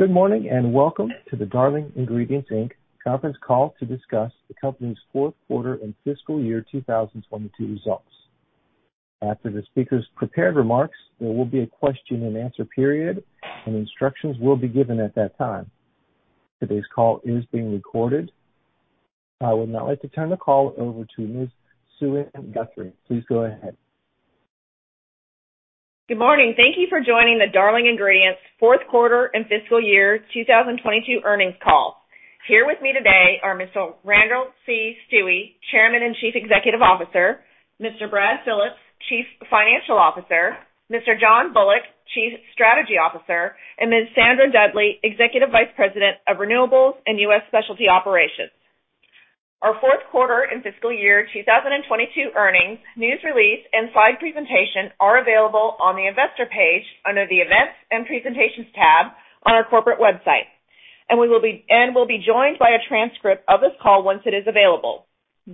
Good morning, welcome to the Darling Ingredients Inc. conference call to discuss the company's fourth quarter and fiscal year 2022 results. After the speaker's prepared remarks, there will be a question-and-answer period, instructions will be given at that time. Today's call is being recorded. I would now like to turn the call over to Ms. Suann Guthrie. Please go ahead. Good morning. Thank you for joining the Darling Ingredients fourth quarter and fiscal year 2022 earnings call. Here with me today are Mr. Randall C. Stuewe, Chairman and Chief Executive Officer, Mr. Brad Phillips, Chief Financial Officer, Mr. John Bullock, Chief Strategy Officer, and Ms. Sandra Dudley, Executive Vice President of Renewables and US Specialty Operations. Our fourth quarter and fiscal year 2022 earnings news release and slide presentation are available on the investor page under the Events and Presentations tab on our corporate website. We will be joined by a transcript of this call once it is available.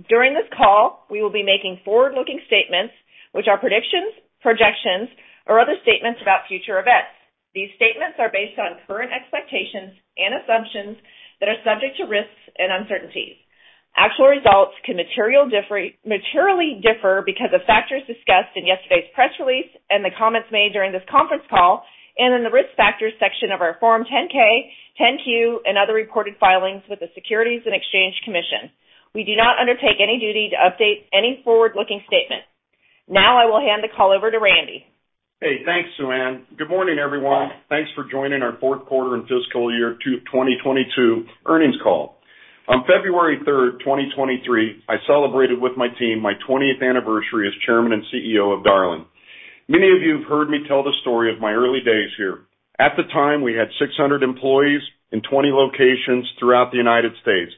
During this call, we will be making forward-looking statements which are predictions, projections, or other statements about future events. These statements are based on current expectations and assumptions that are subject to risks and uncertainties. Actual results can materially differ because of factors discussed in yesterday's press release and the comments made during this conference call and in the Risk Factors section of our Form 10-K, 10-Q, and other reported filings with the Securities and Exchange Commission. We do not undertake any duty to update any forward-looking statement. Now I will hand the call over to Randy. Hey, thanks, Suann. Good morning, everyone. Thanks for joining our fourth quarter and fiscal year 2022 earnings call. On February 3rd, 2023, I celebrated with my team my 20th anniversary as Chairman and CEO of Darling. Many of you have heard me tell the story of my early days here. At the time, we had 600 employees in 20 locations throughout the United States.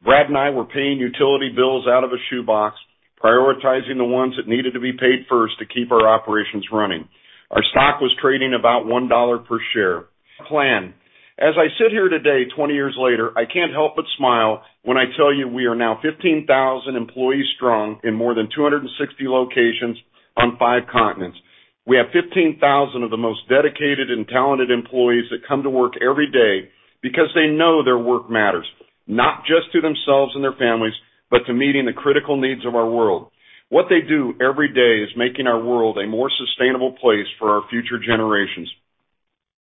Brad and I were paying utility bills out of a shoebox, prioritizing the ones that needed to be paid first to keep our operations running. Our stock was trading about $1 per share. Plan. As I sit here today, 20 years later, I can't help but smile when I tell you we are now 15,000 employee-strong in more than 260 locations on five continents. We have 15,000 of the most dedicated and talented employees that come to work every day because they know their work matters, not just to themselves and their families, but to meeting the critical needs of our world. What they do every day is making our world a more sustainable place for our future generations.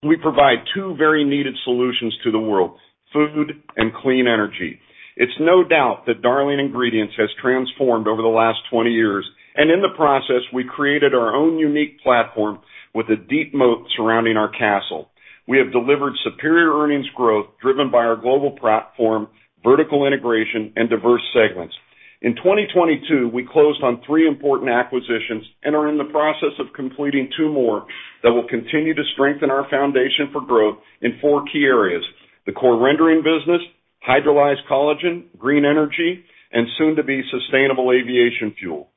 We provide two very needed solutions to the world, food and clean energy. It's no doubt that Darling Ingredients has transformed over the last 20 years, and in the process, we created our own unique platform with a deep moat surrounding our castle. We have delivered superior earnings growth driven by our global platform, vertical integration, and diverse segments. In 2022, we closed on three important acquisitions and are in the process of completing two more that will continue to strengthen our foundation for growth in four key areas, the core rendering business, hydrolyzed collagen, green energy, and soon-to-be sustainable aviation fuel.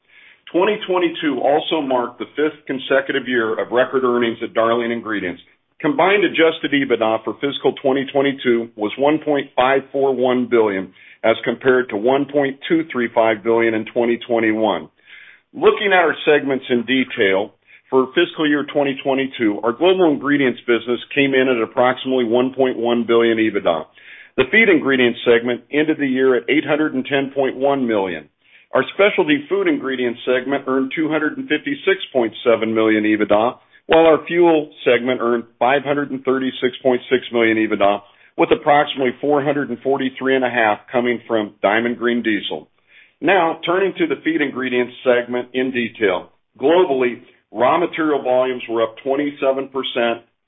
2022 also marked the fifth consecutive year of record earnings at Darling Ingredients. Combined adjusted EBITDA for fiscal 2022 was $1.541 billion as compared to $1.235 billion in 2021. Looking at our segments in detail, for fiscal year 2022, our global ingredients business came in at approximately $1.1 billion EBITDA. The feed ingredients segment ended the year at $810.1 million. Our specialty food ingredients segment earned $256.7 million EBITDA, while our fuel segment earned $536.6 million EBITDA, with approximately $443.5 million coming from Diamond Green Diesel. Turning to the feed ingredients segment in detail. Globally, raw material volumes were up 27%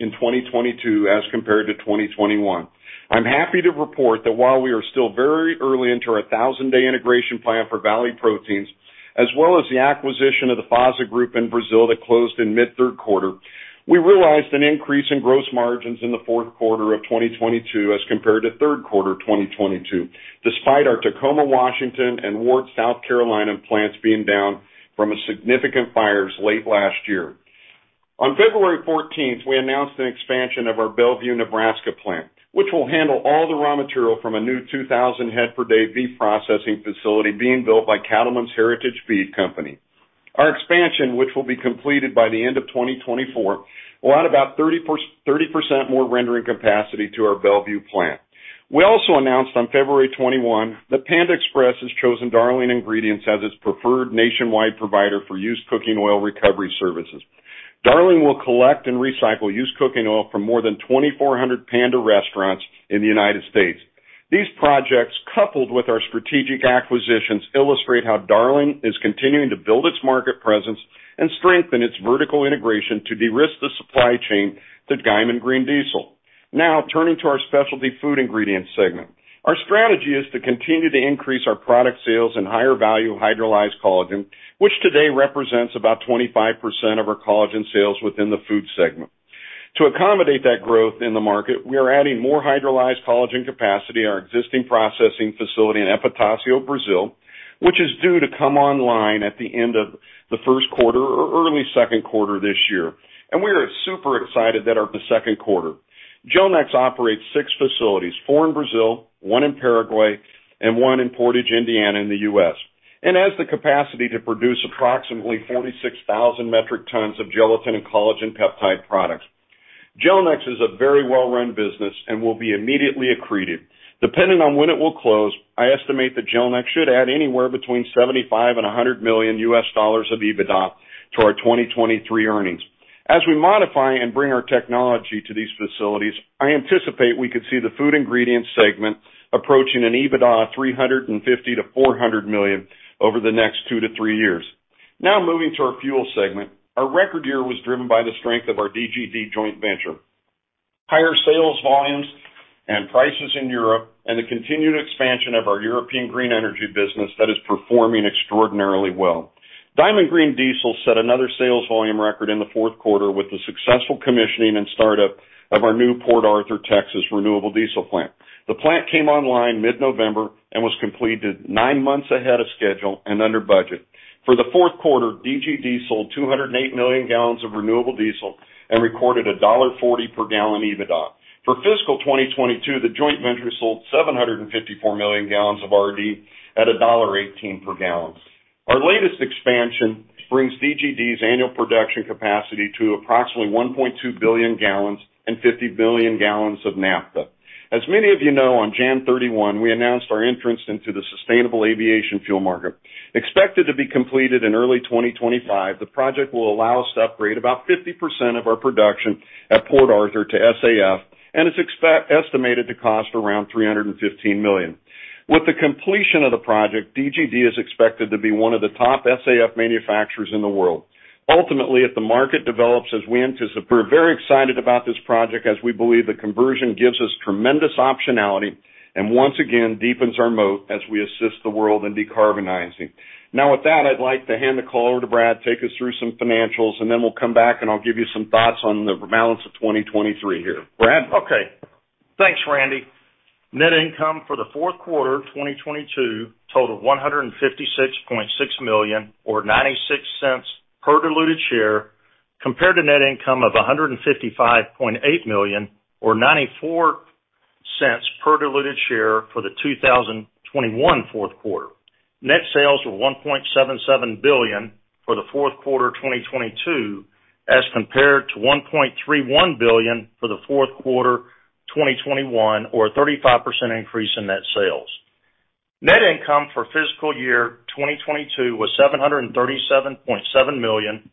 in 2022 as compared to 2021. I'm happy to report that while we are still very early into our 1,000-day integration plan for Valley Proteins, as well as the acquisition of the FASA Group in Brazil that closed in mid third quarter, we realized an increase in gross margins in the fourth quarter of 2022 as compared to third quarter of 2022, despite our Tacoma, Washington, and Ward, South Carolina plants being down from significant fires late last year. On February 14th, we announced an expansion of our Bellevue, Nebraska plant, which will handle all the raw material from a new 2,000 head per day beef processing facility being built by Cattlemen's Heritage Beef Company. Our expansion, which will be completed by the end of 2024, will add about 30% more rendering capacity to our Bellevue plant. We also announced on February 21st that Panda Express has chosen Darling Ingredients as its preferred nationwide provider for used cooking oil recovery services. Darling will collect and recycle used cooking oil from more than 2,400 Panda restaurants in the United States. These projects, coupled with our strategic acquisitions, illustrate how Darling is continuing to build its market presence and strengthen its vertical integration to de-risk the supply chain to Diamond Green Diesel. Turning to our specialty food ingredients segment. Our strategy is to continue to increase our product sales in higher value hydrolyzed collagen, which today represents about 25% of our collagen sales within the food segment. To accommodate that growth in the market, we are adding more hydrolyzed collagen capacity our existing processing facility in Epitacio, Brazil, which is due to come online at the end of the first quarter or early second quarter this year. We are super excited that the second quarter. Gelnex operates six facilities, four in Brazil, one in Paraguay, and one in Portage, Indiana in the U.S. Has the capacity to produce approximately 46,000 metric tons of gelatin and collagen peptide products. Gelnex is a very well-run business and will be immediately accretive. Depending on when it will close, I estimate that Gelnex should add anywhere between $75 million and $100 million of EBITDA to our 2023 earnings. As we modify and bring our technology to these facilities, I anticipate we could see the food ingredients segment approaching an EBITDA of $350 million-$400 million over the next two to three years. Moving to our fuel segment. Our record year was driven by the strength of our DGD joint venture. Higher sales volumes and prices in Europe, the continued expansion of our European green energy business that is performing extraordinarily well. Diamond Green Diesel set another sales volume record in the fourth quarter with the successful commissioning and startup of our new Port Arthur, Texas, renewable diesel plant. The plant came online mid-November and was completed nine months ahead of schedule and under budget. For the fourth quarter, DGD sold 208 million gallons of renewable diesel and recorded a $1.40 per gallon EBITDA. For fiscal 2022, the joint venture sold 754 million gallons of RD at a $1.18 per gallon. Our latest expansion brings DGD's annual production capacity to approximately 1.2 billion gallons and 50 billion gallons of naphtha. As many of you know, on January 31, we announced our entrance into the sustainable aviation fuel market. Expected to be completed in early 2025, the project will allow us to upgrade about 50% of our production at Port Arthur to SAF, and it's estimated to cost around $315 million. With the completion of the project, DGD is expected to be one of the top SAF manufacturers in the world. Ultimately, if the market develops as we anticipate. We're very excited about this project as we believe the conversion gives us tremendous optionality, and once again deepens our moat as we assist the world in decarbonizing. With that, I'd like to hand the call over to Brad, take us through some financials, and then we'll come back, and I'll give you some thoughts on the balance of 2023 here. Brad? Okay. Thanks, Randy. Net income for the fourth quarter 2022 totaled $156.6 million or $0.96 per diluted share, compared to net income of $155.8 million or $0.94 per diluted share for the 2021 fourth quarter. Net sales were $1.77 billion for the fourth quarter of 2022, as compared to $1.31 billion for the fourth quarter 2021 or a 35% increase in net sales. Net income for fiscal year 2022 was $737.7 million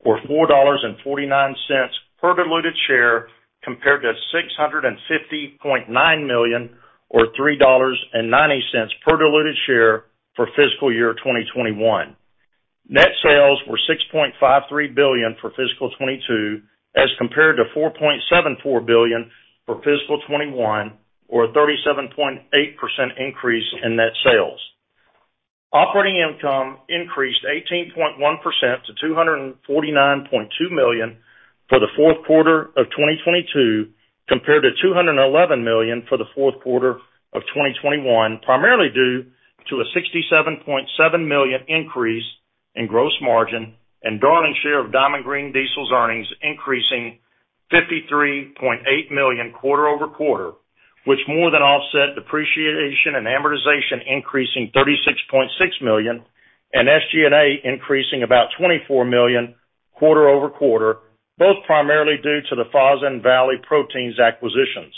or $4.49 per diluted share, compared to $650.9 million or $3.90 per diluted share for fiscal year 2021. Net sales were $6.53 billion for fiscal 2022, as compared to $4.74 billion for fiscal 2021 or a 37.8% increase in net sales. Operating income increased 18.1% to $249.2 million for the fourth quarter of 2022, compared to $211 million for the fourth quarter of 2021, primarily due to a $67.7 million increase in gross margin and Darling share of Diamond Green Diesel's earnings increasing $53.8 million quarter-over-quarter, which more than offset depreciation and amortization, increasing $36.6 million, and SG&A increasing about $24 million quarter-over-quarter, both primarily due to the FASA and Valley Proteins acquisitions.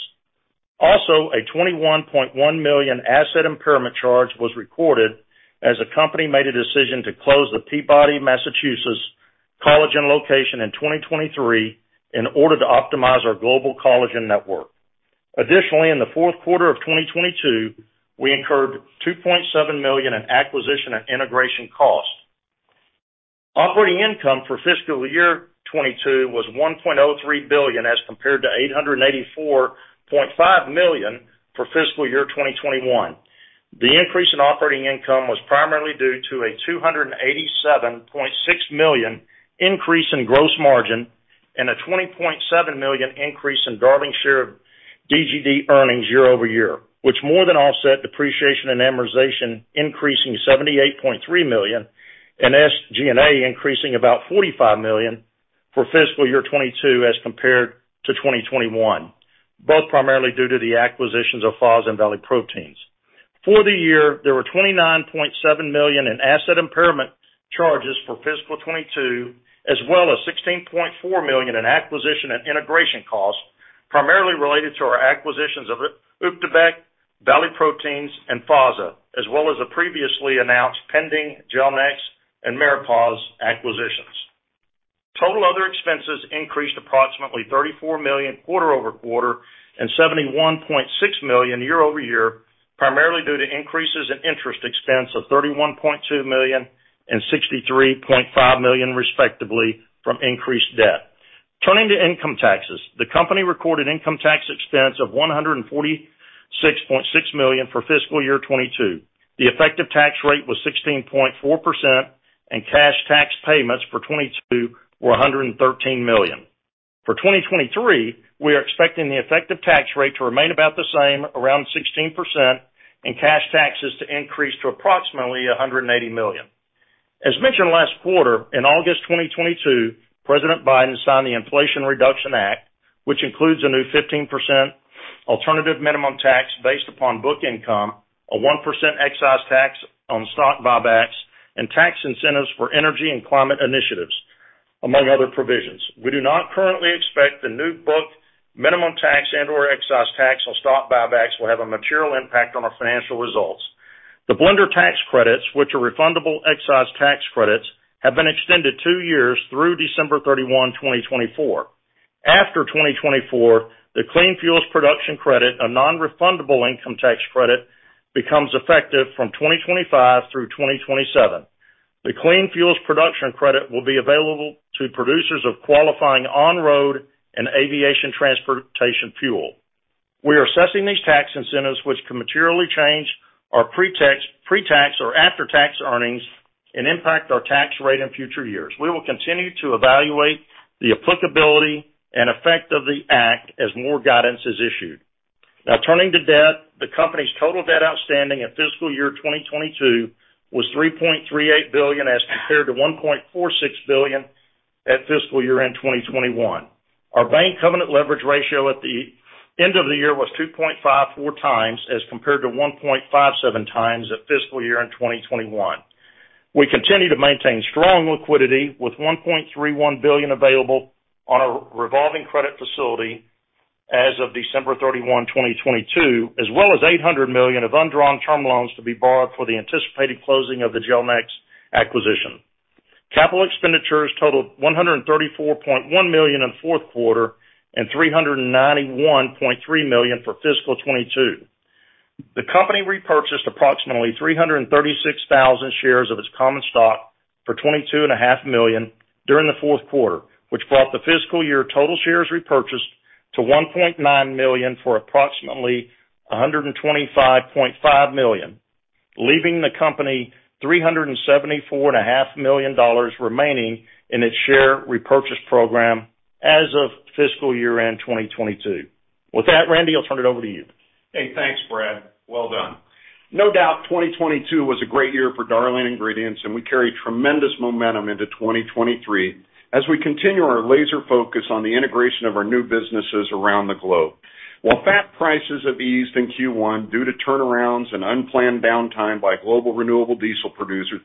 A $21.1 million asset impairment charge was recorded as the company made a decision to close the Peabody, Massachusetts, collagen location in 2023 in order to optimize our global collagen network. In the fourth quarter of 2022, we incurred $2.7 million in acquisition and integration costs. Operating income for fiscal year 2022 was $1.03 billion as compared to $884.5 million for fiscal year 2021. The increase in operating income was primarily due to a $287.6 million increase in gross margin and a $20.7 million increase in Darling share of DGD earnings year-over-year, which more than offset depreciation and amortization, increasing $78.3 million, and SG&A increasing about $45 million for fiscal year 2022 as compared to 2021, both primarily due to the acquisitions of FASA and Valley Proteins. For the year, there were $29.7 million in asset impairment charges for fiscal 2022, as well as $16.4 million in acquisition and integration costs, primarily related to our acquisitions of Op de Beeck, Valley Proteins, and FASA, as well as the previously announced pending Gelnex and Miropasz acquisitions. Total other expenses increased approximately $34 million quarter-over-quarter and $71.6 million year-over-year, primarily due to increases in interest expense of $31.2 million and $63.5 million respectively from increased debt. Turning to income taxes. The company recorded income tax expense of $146.6 million for fiscal year 2022. The effective tax rate was 16.4%, and cash tax payments for 2022 were $113 million. For 2023, we are expecting the effective tax rate to remain about the same, around 16%, and cash taxes to increase to approximately $180 million. As mentioned last quarter, in August 2022, President Biden signed the Inflation Reduction Act, which includes a new 15% alternative minimum tax based upon book income, a 1% excise tax on stock buybacks, and tax incentives for energy and climate initiatives, among other provisions. We do not currently expect the new book minimum tax and/or excise tax on stock buybacks will have a material impact on our financial results. The blender's tax credits, which are refundable excise tax credits, have been extended two years through December 31, 2024. After 2024, the Clean Fuel Production Credit, a non-refundable income tax credit, becomes effective from 2025 through 2027. The Clean Fuel Production Credit will be available to producers of qualifying on-road and aviation transportation fuel. We are assessing these tax incentives, which can materially change our pre-tax or after-tax earnings and impact our tax rate in future years. We will continue to evaluate the applicability and effect of the act as more guidance is issued. Turning to debt. The company's total debt outstanding at fiscal year 2022 was $3.38 billion as compared to $1.46 billion at fiscal year-end 2021. Our bank covenant leverage ratio at the end of the year was 2.54x as compared to 1.57x at fiscal year-end 2021. We continue to maintain strong liquidity with $1.31 billion available on our revolving credit facility as of December 31, 2022, as well as $800 million of undrawn term loans to be borrowed for the anticipated closing of the Gelnex acquisition. Capital expenditures totaled $134.1 million in fourth quarter and $391.3 million for fiscal 2022. The company repurchased approximately 336,000 shares of its common stock for $22.5 million during the fourth quarter, which brought the fiscal year total shares repurchased to $1.9 million for approximately $125.5 million, leaving the company $374.5 million remaining in its share repurchase program as of fiscal year end 2022. Randy, I'll turn it over to you. Hey, thanks, Brad. Well done. No doubt 2022 was a great year for Darling Ingredients, we carry tremendous momentum into 2023 as we continue our laser focus on the integration of our new businesses around the globe. While fat prices have eased in Q1 due to turnarounds and unplanned downtime by global renewable diesel producers,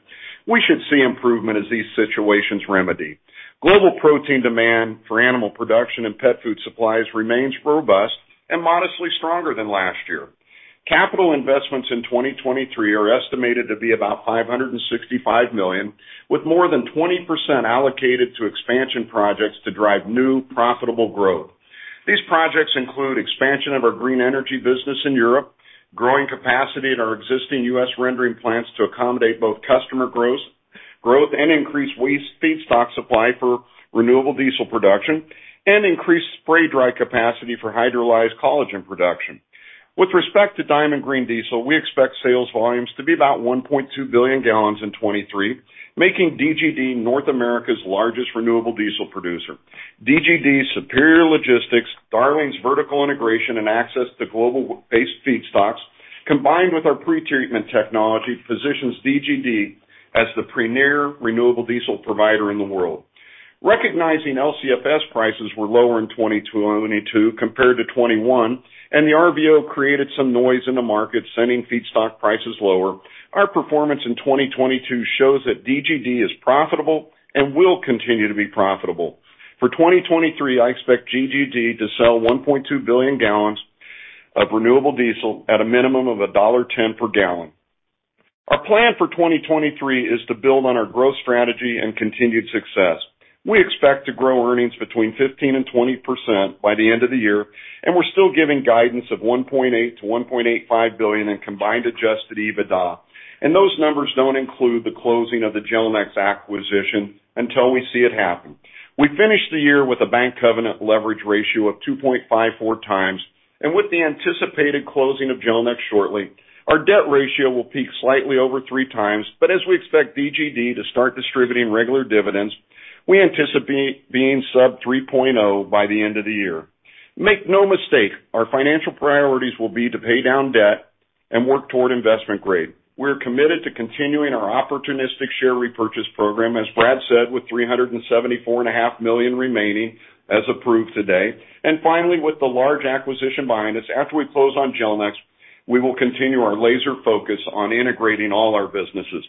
we should see improvement as these situations remedy. Global protein demand for animal production and pet food supplies remains robust and modestly stronger than last year. Capital investments in 2023 are estimated to be about $565 million, with more than 20% allocated to expansion projects to drive new, profitable growth. These projects include expansion of our green energy business in Europe, growing capacity at our existing U.S. rendering plants to accommodate both customer growth and increased waste feedstock supply for renewable diesel production, and increased spray dry capacity for hydrolyzed collagen production. With respect to Diamond Green Diesel, we expect sales volumes to be about 1.2 billion gallons in 2023, making DGD North America's largest renewable diesel producer. DGD's superior logistics, Darling's vertical integration and access to global-based feedstocks, combined with our pretreatment technology, positions DGD as the premier renewable diesel provider in the world. Recognizing LCFS prices were lower in 2022 compared to 2021, and the RVO created some noise in the market, sending feedstock prices lower, our performance in 2022 shows that DGD is profitable and will continue to be profitable. For 2023, I expect DGD to sell 1.2 billion gallons of renewable diesel at a minimum of $1.10 per gallon. Our plan for 2023 is to build on our growth strategy and continued success. We expect to grow earnings between 15% and 20% by the end of the year, we're still giving guidance of $1.8 billion-$1.85 billion in combined adjusted EBITDA. Those numbers don't include the closing of the Gelnex acquisition until we see it happen. We finished the year with a bank covenant leverage ratio of 2.54x, with the anticipated closing of Gelnex shortly, our debt ratio will peak slightly over 3x. As we expect DGD to start distributing regular dividends, we anticipate being sub 3.0 by the end of the year. Make no mistake, our financial priorities will be to pay down debt and work toward investment grade. We're committed to continuing our opportunistic share repurchase program, as Brad said, with $374.5 million remaining as approved today. Finally, with the large acquisition behind us, after we close on Gelnex, we will continue our laser focus on integrating all our businesses.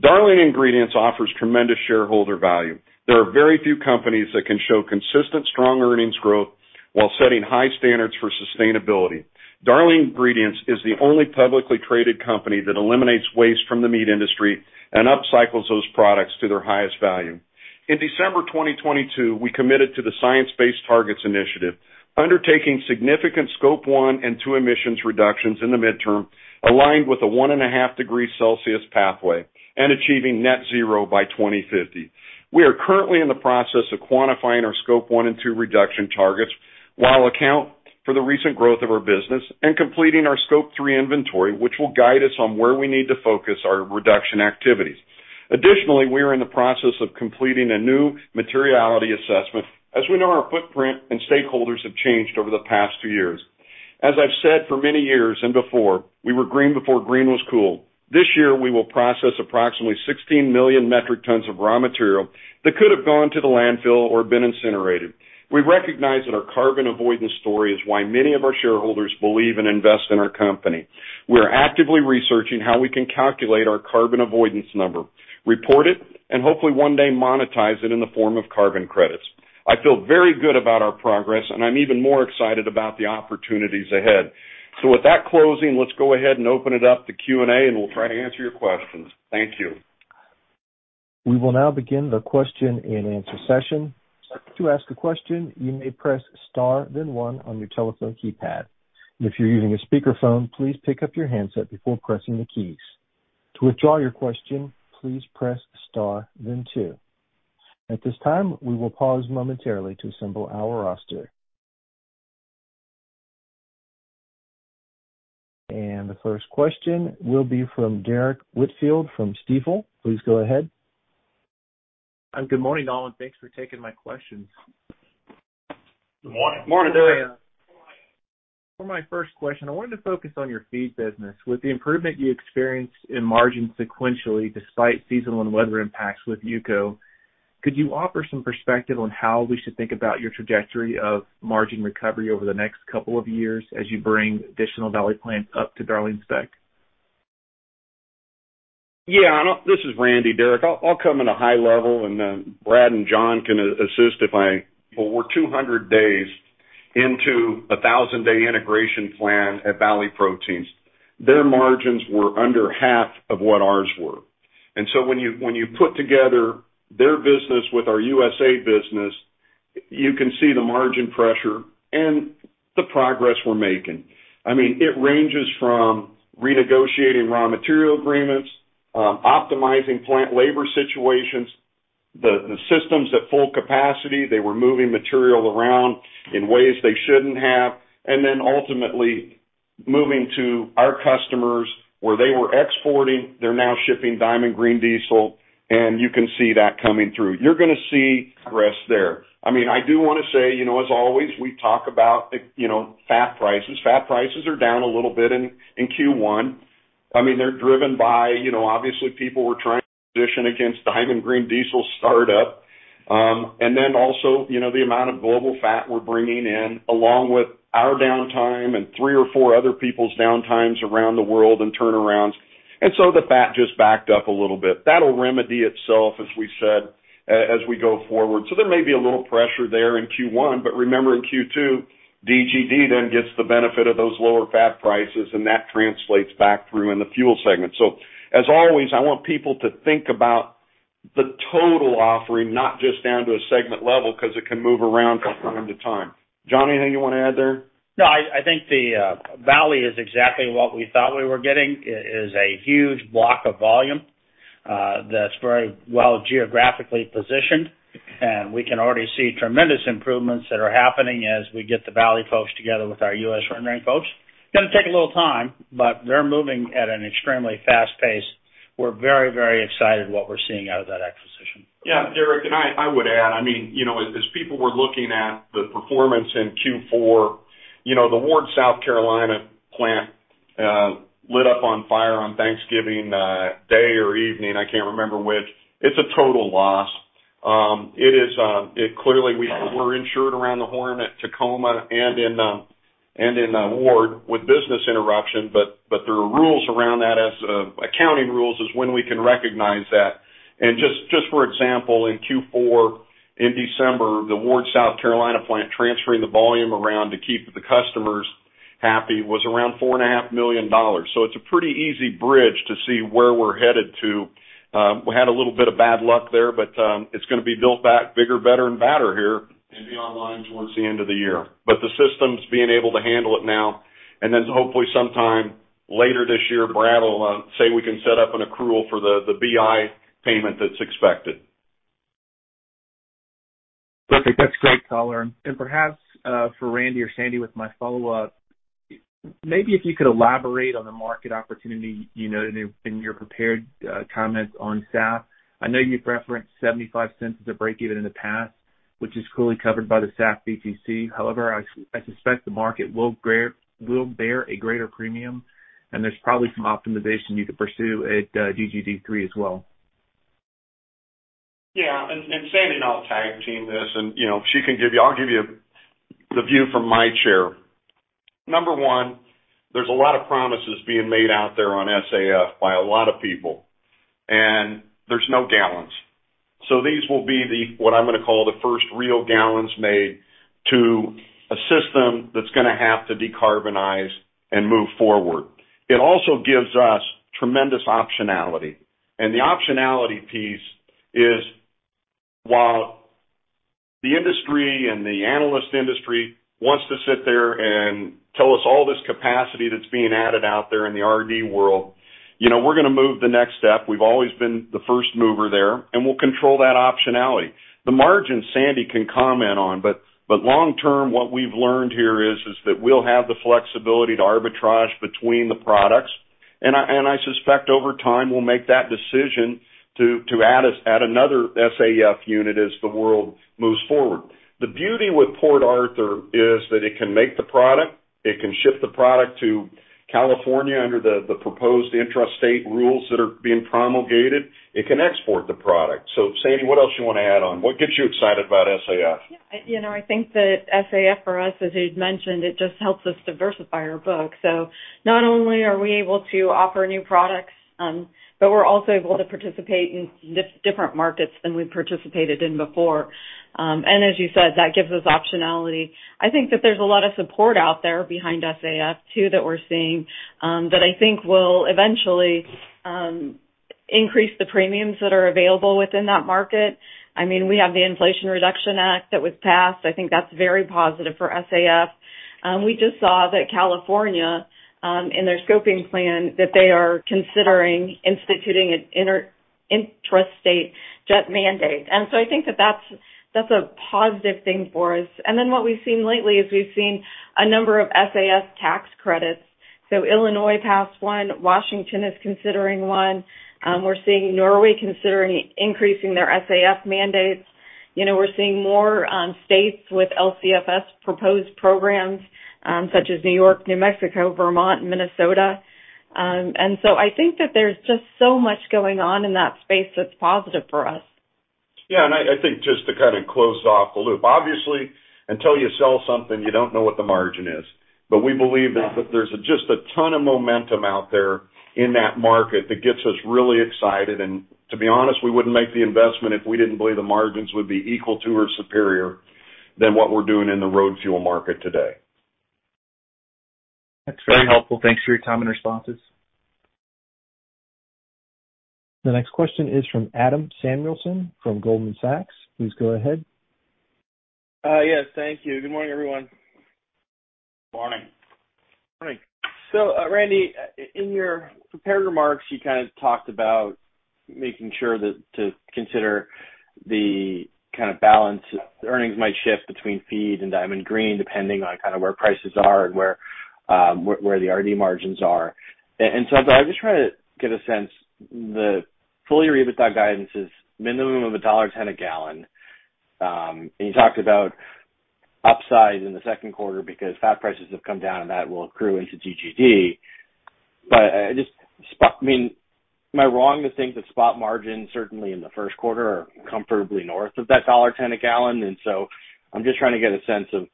Darling Ingredients offers tremendous shareholder value. There are very few companies that can show consistent strong earnings growth while setting high standards for sustainability. Darling Ingredients is the only publicly traded company that eliminates waste from the meat industry and upcycles those products to their highest value. In December 2022, we committed to the Science-Based Targets initiative, undertaking significant Scope 1 and 2 emissions reductions in the midterm, aligned with a 1.5 degree Celsius pathway and achieving net zero by 2050. We are currently in the process of quantifying our Scope 1 and 2 reduction targets while account for the recent growth of our business and completing our Scope 3 inventory, which will guide us on where we need to focus our reduction activities. Additionally, we are in the process of completing a new materiality assessment, as we know our footprint and stakeholders have changed over the past two years. As I've said for many years and before, we were green before green was cool. This year we will process approximately 16 million metric tons of raw material that could have gone to the landfill or been incinerated. We recognize that our carbon avoidance story is why many of our shareholders believe and invest in our company. We are actively researching how we can calculate our carbon avoidance number, report it, and hopefully one day monetize it in the form of carbon credits. I feel very good about our progress and I'm even more excited about the opportunities ahead. With that closing, let's go ahead and open it up to Q&A, and we'll try to answer your questions. Thank you. We will now begin the question-and-answer session. To ask a question, you may press Star then one on your telephone keypad. If you're using a speakerphone, please pick up your handset before pressing the keys. To withdraw your question, please press Star then two. At this time, we will pause momentarily to assemble our roster. The first question will be from Derrick Whitfield from Stifel. Please go ahead. Good morning, all. Thanks for taking my questions. Good morning. Good morning, Derrick. For my first question, I wanted to focus on your feed business. With the improvement you experienced in margin sequentially despite seasonal and weather impacts with UCO, could you offer some perspective on how we should think about your trajectory of margin recovery over the next couple of years as you bring additional Valley Proteins plants up to Darling spec? Yeah. This is Randy, Derrick. I'll come at a high level and then Brad and John can assist. We're 200 days into a 1,000-day integration plan at Valley Proteins. Their margins were under half of what ours were. When you put together their business with our USA business, you can see the margin pressure and the progress we're making. I mean, it ranges from renegotiating raw material agreements, optimizing plant labor situations. The systems at full capacity, they were moving material around in ways they shouldn't have. Ultimately, moving to our customers where they were exporting, they're now shipping Diamond Green Diesel, and you can see that coming through. You're gonna see progress there. I mean, I do wanna say, you know, as always, we talk about, you know, fat prices. Fat prices are down a little bit in Q1. I mean, they're driven by, you know, obviously people were trying to position against Diamond Green Diesel startup. And then also, you know, the amount of global fat we're bringing in, along with our downtime and three or four other people's downtimes around the world and turnarounds. The fat just backed up a little bit. That'll remedy itself, as we said, as we go forward. There may be a little pressure there in Q1, but remember in Q2, DGD then gets the benefit of those lower fat prices, and that translates back through in the fuel segment. As always, I want people to think about the total offering, not just down to a segment level, 'cause it can move around from time to time. John, anything you wanna add there? No, I think the Valley is exactly what we thought we were getting. It is a huge block of volume that's very well geographically positioned. We can already see tremendous improvements that are happening as we get the Valley folks together with our U.S. rendering folks. Gonna take a little time, but they're moving at an extremely fast pace. We're very excited what we're seeing out of that acquisition. Yeah, Derrick, I would add, I mean, you know, as people were looking at the performance in Q4, you know, the Ward, South Carolina plant lit up on fire on Thanksgiving day or evening, I can't remember which. It's a total loss. It is, it clearly we're insured around the horn at Tacoma and in Ward with business interruption, there are rules around that as accounting rules is when we can recognize that. Just for example, in Q4, in December, the Ward, South Carolina plant transferring the volume around to keep the customers happy was around four and a half million dollars. It's a pretty easy bridge to see where we're headed to. We had a little bit of bad luck there, but, it's gonna be built back bigger, better and badder here and be online towards the end of the year. The systems being able to handle it now, and then hopefully sometime later this year, Brad will say we can set up an accrual for the BI payment that's expected. Perfect. That's great color. Perhaps for Randy or Sandy with my follow-up, maybe if you could elaborate on the market opportunity you noted in your prepared comments on SAF. I know you've referenced $0.75 as a break-even in the past, which is clearly covered by the SAF BTC. However, I suspect the market will bear a greater premium, and there's probably some optimization you could pursue at DGD 3 as well. Yeah. Sandy and I'll tag team this, you know, I'll give you the view from my chair. Number one, there's a lot of promises being made out there on SAF by a lot of people, and there's no gallons. These will be the, what I'm gonna call the first real gallons made to a system that's gonna have to decarbonize and move forward. It also gives us tremendous optionality. The optionality piece is, while the industry and the analyst industry wants to sit there and tell us all this capacity that's being added out there in the RD world, you know, we're gonna move the next step. We've always been the first mover there, we'll control that optionality. The margin Sandy can comment on, but long term, what we've learned here is that we'll have the flexibility to arbitrage between the products. I suspect over time, we'll make that decision to add another SAF unit as the world moves forward. The beauty with Port Arthur is that it can make the product, it can ship the product to California under the proposed intrastate rules that are being promulgated. It can export the product. Sandy, what else you wanna add on? What gets you excited about SAF? Yeah. You know, I think that SAF for us, as you'd mentioned, it just helps us diversify our book. Not only are we able to offer new products, but we're also able to participate in different markets than we've participated in before. As you said, that gives us optionality. I think that there's a lot of support out there behind SAF too, that we're seeing, that I think will eventually, increase the premiums that are available within that market. I mean, we have the Inflation Reduction Act that was passed. I think that's very positive for SAF. We just saw that California, in their scoping plan that they are considering instituting an intrastate jet mandate. I think that that's a positive thing for us. What we've seen lately is we've seen a number of SAF tax credits. Illinois passed one. Washington is considering one. We're seeing Norway considering increasing their SAF mandates. You know, we're seeing more states with LCFS proposed programs, such as New York, New Mexico, Vermont, and Minnesota. I think that there's just so much going on in that space that's positive for us. Yeah. I think just to kind of close off the loop, obviously, until you sell something, you don't know what the margin is. We believe that there's just a ton of momentum out there in that market that gets us really excited. To be honest, we wouldn't make the investment if we didn't believe the margins would be equal to or superior than what we're doing in the road fuel market today. That's very helpful. Thanks for your time and responses. The next question is from Adam Samuelson from Goldman Sachs. Please go ahead. Yes, thank you. Good morning, everyone. Morning. Morning. Randy, in your prepared remarks, you kind of talked about making sure that to consider the kind of balance earnings might shift between feed and Diamond Green, depending on kind of where prices are and where the RD margins are. I just trying to get a sense, the full year EBITDA guidance is minimum of $1.10 a gallon. You talked about upside in the second quarter because fat prices have come down, and that will accrue into DGD. Just I mean, am I wrong to think that spot margins, certainly in the first quarter, are comfortably north of that $1.10 a gallon? I'm just trying to get a sense of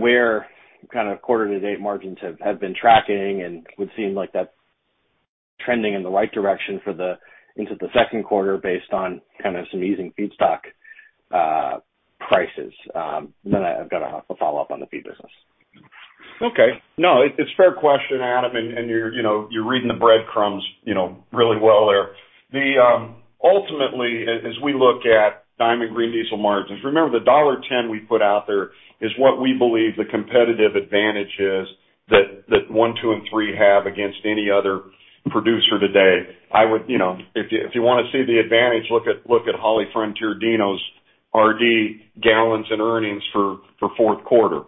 where quarter-to-date margins have been tracking and would seem like that's trending in the right direction into the second quarter based on some easing feedstock prices. I've got a follow-up on the feed business. No, it's a fair question, Adam, and you're, you know, you're reading the breadcrumbs, you know, really well there. Ultimately, as we look at Diamond Green Diesel margins, remember the $1.10 we put out there is what we believe the competitive advantage is that one, two and three have against any other producer today. You know, if you wanna see the advantage, look at HollyFrontier DINO's RD gallons and earnings for fourth quarter.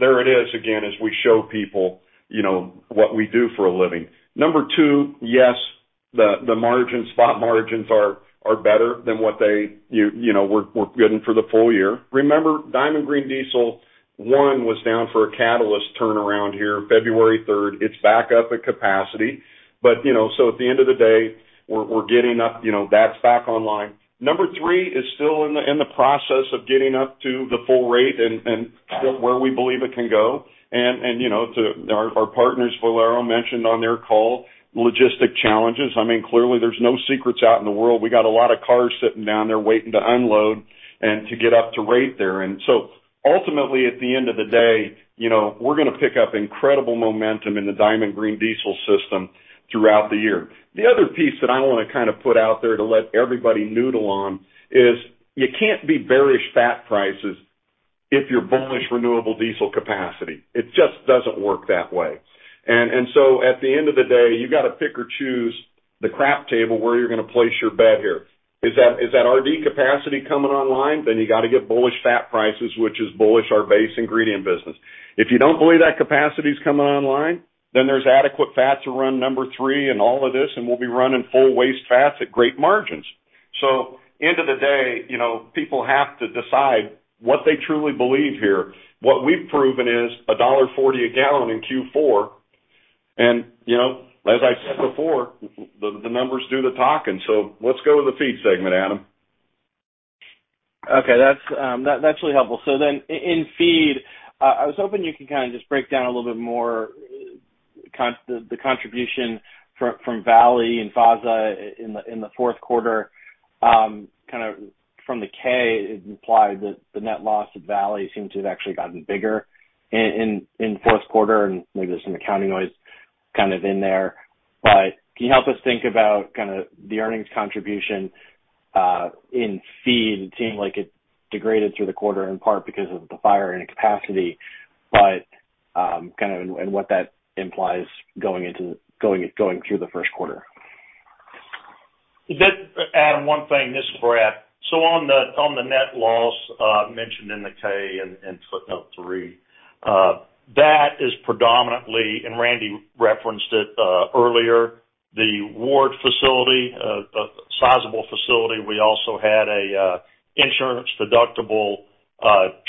There it is again, as we show people, you know, what we do for a living. Number two, yes, the margins, spot margins are better than what they, you know, we're guiding for the full year. Remember, Diamond Green Diesel 1 was down for a catalyst turnaround here February 3rd. It's back up at capacity. At the end of the day, we're getting up, you know, that's back online. Number three is still in the process of getting up to the full rate and where we believe it can go. To our partners, Valero mentioned on their call logistic challenges. I mean, clearly, there's no secrets out in the world. We got a lot of cars sitting down there waiting to unload and to get up to rate there. Ultimately, at the end of the day, you know, we're gonna pick up incredible momentum in the Diamond Green Diesel system throughout the year. The other piece that I wanna kind of put out there to let everybody noodle on is you can't be bearish fat prices if you're bullish renewable diesel capacity. It just doesn't work that way. At the end of the day, you gotta pick or choose the crap table where you're gonna place your bet here. Is that RD capacity coming online? You gotta get bullish fat prices, which is bullish our base ingredient business. If you don't believe that capacity is coming online, there's adequate fat to run number three and all of this, we'll be running full waste fats at great margins. End of the day, you know, people have to decide what they truly believe here. What we've proven is $1.40 a gallon in Q4. you know, as I said before, the numbers do the talking. Let's go to the feed segment, Adam. Okay. That's really helpful. In feed, I was hoping you could kinda just break down a little bit more the contribution from Valley and FASA in the fourth quarter. Kind of from the K, it implied that the net loss at Valley seems to have actually gotten bigger in first quarter, and maybe there's some accounting noise kind of in there. Can you help us think about kinda the earnings contribution in feed? It seemed like it degraded through the quarter, in part because of the fire and capacity, but kind of and what that implies going through the first quarter. Just to add one thing, this is Brad. On the net loss mentioned in the K in footnote three, that is predominantly, and Randy referenced it earlier, the Ward facility, sizable facility. We also had a insurance deductible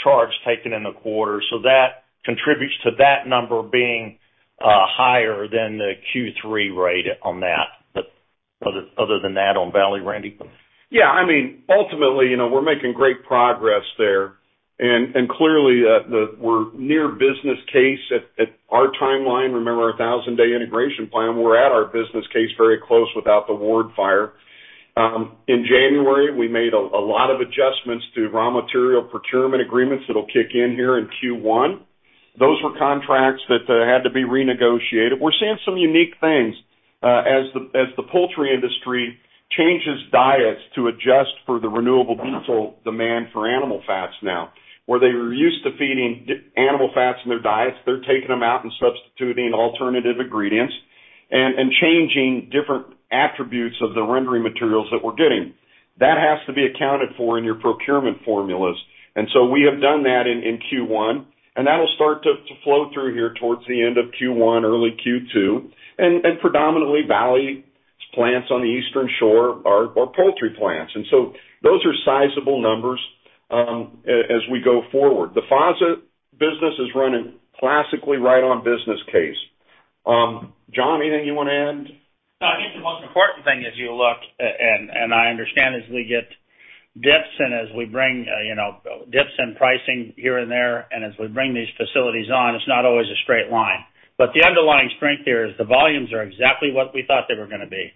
charge taken in the quarter. That contributes to that number being higher than the Q3 rate on that. Other than that on Valley, Randy? Yeah, I mean, ultimately, you know, we're making great progress there. Clearly, we're near business case at our timeline. Remember our 1,000-day integration plan, we're at our business case very close without the Ward fire. In January, we made a lot of adjustments to raw material procurement agreements that'll kick in here in Q1. Those were contracts that had to be renegotiated. We're seeing some unique things as the poultry industry changes diets to adjust for the renewable diesel demand for animal fats now. Where they were used to feeding animal fats in their diets, they're taking them out and substituting alternative ingredients and changing different attributes of the rendering materials that we're getting. That has to be accounted for in your procurement formulas. We have done that in Q1, and that'll start to flow through here towards the end of Q1, early Q2. Predominantly, Valley's plants on the Eastern shore are poultry plants. Those are sizable numbers as we go forward. The FASA business is running classically right on business case. John, anything you wanna add? I think the most important thing as you look, and I understand as we get dips and as we bring, you know, dips in pricing here and there, and as we bring these facilities on, it's not always a straight line. The underlying strength here is the volumes are exactly what we thought they were gonna be.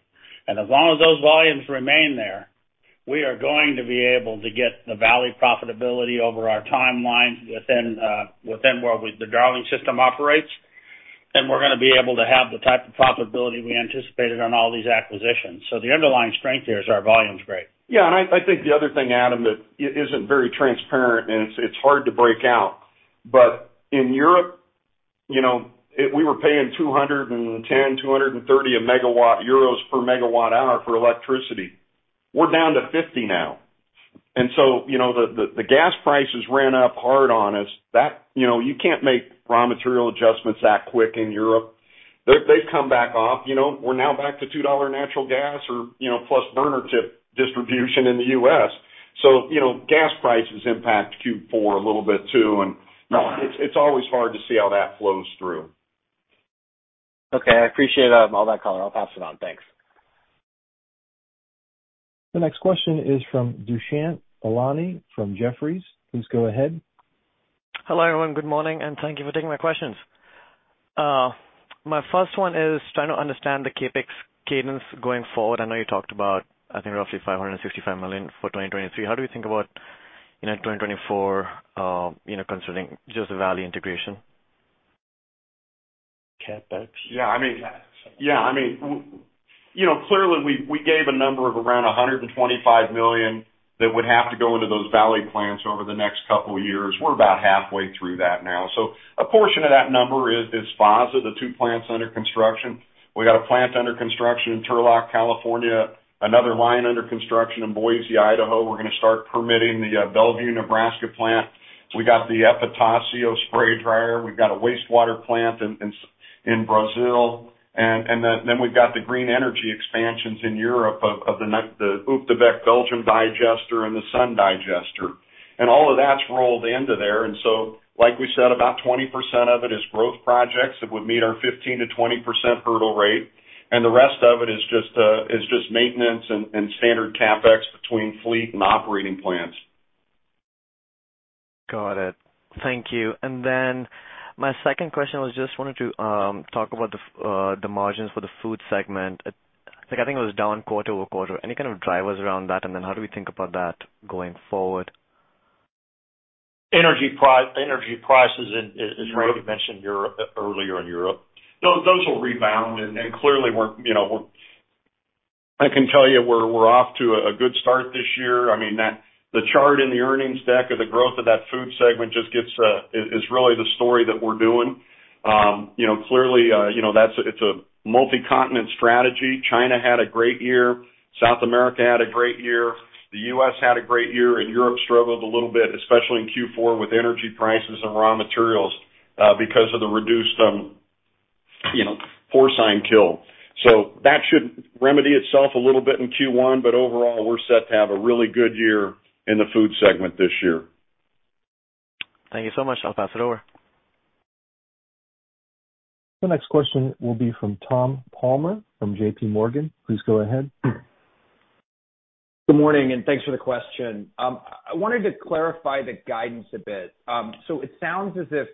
As long as those volumes remain there, we are going to be able to get the Valley Proteins profitability over our timeline within where the Darling Ingredients system operates. We're gonna be able to have the type of profitability we anticipated on all these acquisitions. The underlying strength here is our volume's great. Yeah, I think the other thing, Adam, that isn't very transparent, and it's hard to break out. In Europe, you know, we were paying 210-230 per megawatt hour for electricity. We're down to 50 now. You know, the gas prices ran up hard on us. That, you know, you can't make raw material adjustments that quick in Europe. They've come back off. You know, we're now back to $2 natural gas or, you know, plus burner tip distribution in the U.S. You know, gas prices impact Q4 a little bit too, and it's always hard to see how that flows through. Okay. I appreciate all that color. I'll pass it on. Thanks. The next question is from Dushyant Ailani from Jefferies. Please go ahead. Hello, everyone. Good morning. Thank you for taking my questions. My first one is trying to understand the CapEx cadence going forward. I know you talked about, I think roughly $565 million for 2023. How do we think about, you know, 2024, you know, concerning just the Valley integration? CapEx? Yeah, I mean, you know, clearly, we gave a number of around $125 million that would have to go into those Valley plants over the next couple years. We're about halfway through that now. A portion of that number is FASA, the two plants under construction. We got a plant under construction in Turlock, California, another line under construction in Boise, Idaho. We're gonna start permitting the Bellevue, Nebraska plant. We got the Epitácio spray dryer. We've got a wastewater plant in Brazil. Then we've got the green energy expansions in Europe of the Op de Beeck Belgium digester and the SUNN digester. All of that's rolled into there. Like we said, about 20% of it is growth projects that would meet our 15%-20% hurdle rate, and the rest of it is just is just maintenance and standard CapEx between fleet and operating plants. Got it. Thank you. My second question was just wanted to talk about the margins for the food segment. Like, I think it was down quarter-over-quarter. Any kind of drivers around that? How do we think about that going forward? Energy prices in, as Randy mentioned, Europe, earlier in Europe. Those will rebound. Clearly, we're, you know, I can tell you, we're off to a good start this year. I mean, the chart in the earnings deck of the growth of that food segment just gets, is really the story that we're doing. You know, clearly, you know, that's a multi-continent strategy. China had a great year. South America had a great year. The U.S. had a great year. Europe struggled a little bit, especially in Q4 with energy prices and raw materials, because of the reduced, you know, porcine kill. That should remedy itself a little bit in Q1. Overall, we're set to have a really good year in the food segment this year. Thank you so much. I'll pass it over. The next question will be from Tom Palmer from JPMorgan. Please go ahead. Good morning. Thanks for the question. I wanted to clarify the guidance a bit. It sounds as if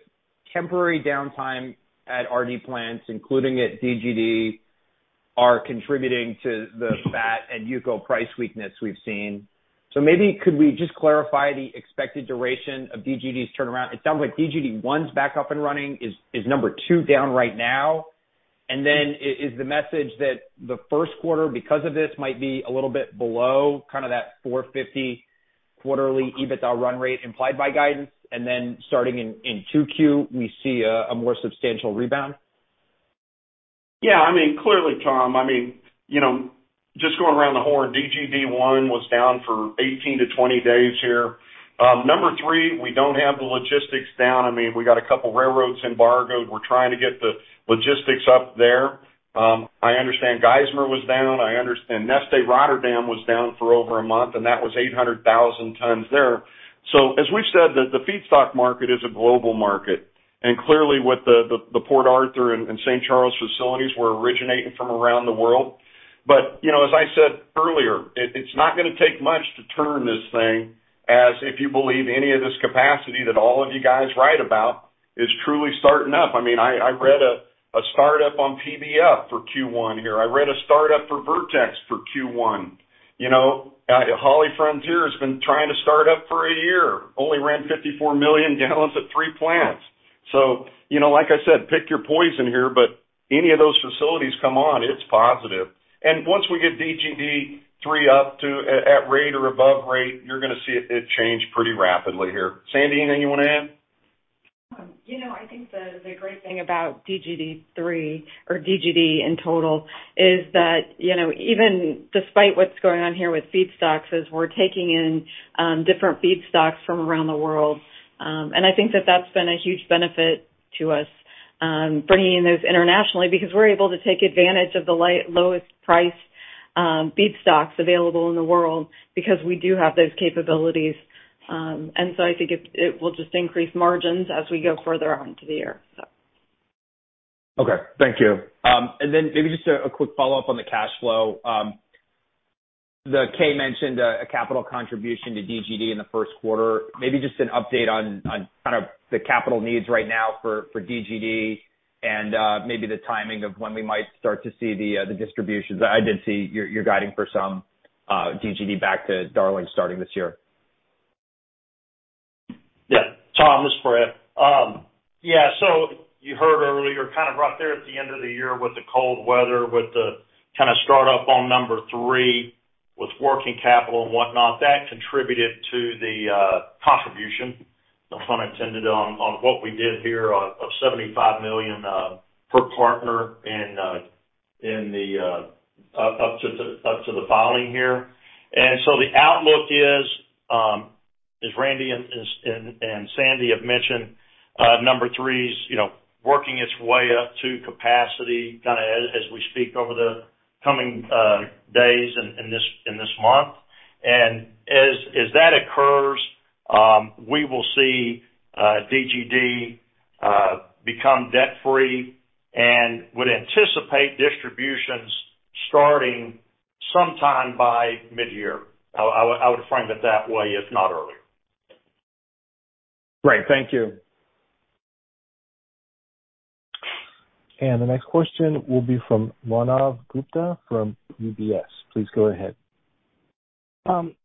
temporary downtime at RD plants, including at DGD, are contributing to the fat and UCO price weakness we've seen. Maybe could we just clarify the expected duration of DGD's turnaround? It sounds like DGD 1's back up and running. Is number two down right now? Is the message that the first quarter, because of this, might be a little bit below kind of that $450 quarterly EBITDA run rate implied by guidance, and starting in 2Q, we see a more substantial rebound? Yeah, I mean, clearly, Tom. I mean, you know, just going around the horn, DGD 1 was down for 18-20 days here. Number three, we don't have the logistics down. I mean, we got a couple railroads embargoed. We're trying to get the logistics up there. I understand Geismar was down. I understand Neste Rotterdam was down for over a month. That was 800,000 tons there. As we've said, the feedstock market is a global market. Clearly, with the Port Arthur and St. Charles facilities, we're originating from around the world. You know, as I said earlier, it's not gonna take much to turn this thing as if you believe any of this capacity that all of you guys write about is truly starting up. I mean, I read a startup on PBF for Q1 here. I read a startup for Vertex for Q1. You know, HollyFrontier has been trying to start up for a year, only ran 54 million gallons at three plants. You know, like I said, pick your poison here, but any of those facilities come on, it's positive. Once we get DGD 3 up to at rate or above rate, you're gonna see it change pretty rapidly here. Sandy, anything you wanna add? You know, I think the great thing about DGD 3 or DGD in total is that, you know, even despite what's going on here with feedstocks, is we're taking in different feedstocks from around the world. I think that that's been a huge benefit to us, bringing those internationally because we're able to take advantage of the lowest price feedstocks available in the world because we do have those capabilities. I think it will just increase margins as we go further on into the year. Okay. Thank you. Maybe just a quick follow-up on the cash flow. The K mentioned a capital contribution to DGD in the first quarter. Maybe just an update on kind of the capital needs right now for DGD and maybe the timing of when we might start to see the distributions. I did see you're guiding for some DGD back to Darling starting this year. Tom, this is Brad. You heard earlier kind of right there at the end of the year with the cold weather, with the kind of start up on number three, with working capital and whatnot, that contributed to the contribution, no pun intended, on what we did here of $75 million per partner and in the up to the up to the filing here. The outlook is as Randy and Sandy have mentioned, number 3's, you know, working its way up to capacity kind of as we speak over the coming days in this in this month. As that occurs, we will see DGD become debt-free and would anticipate distributions starting sometime by mid-year. I would frame it that way, if not earlier. Great. Thank you. The next question will be from Manav Gupta from UBS. Please go ahead.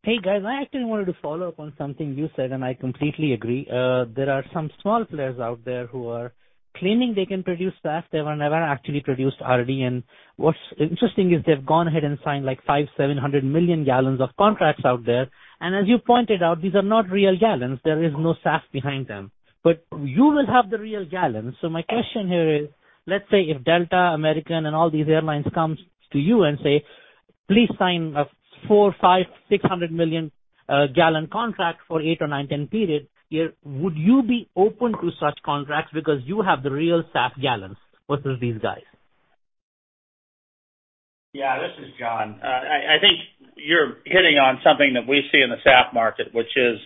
Hey, guys. I actually wanted to follow up on something you said. I completely agree. There are some small players out there who are claiming they can produce SAF. They were never actually produced already. What's interesting is they've gone ahead and signed like 500 million, 700 million gallons of contracts out there. As you pointed out, these are not real gallons. There is no SAF behind them. You will have the real gallons. My question here is, let's say if Delta, American, and all these airlines comes to you and say, "Please sign a 400 million, 500 million, 600 million gallon contract for eight or nine, 10 period," here, would you be open to such contracts because you have the real SAF gallons versus these guys? Yeah, this is John. I think you're hitting on something that we see in the SAF market which is,